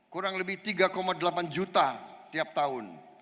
kurang lebih tiga delapan juta tiap tahun